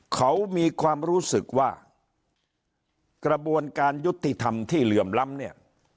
เขามีความรู้สึกว่ากระบวนการยุติธรรมที่เหลื่อมล้ำเนี่ย